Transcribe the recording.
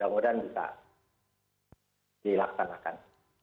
semoga bisa dilaksanakan